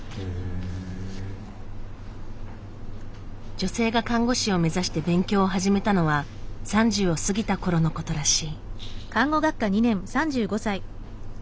女性が看護師を目指して勉強を始めたのは３０を過ぎたころのことらしい。